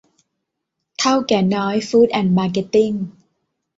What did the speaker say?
เถ้าแก่น้อย ฟู๊ดแอนด์มาร์เก็ตติ้ง